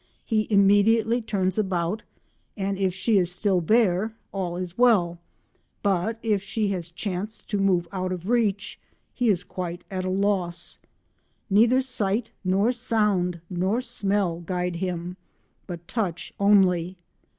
He immediately turns about, and if she is still there, all is well, but if she has chanced to move out of reach, he is quite at a loss. Neither sight nor sound nor smell guide him, but touch only.